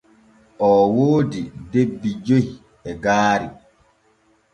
Oo woodi debbi joy e gaari.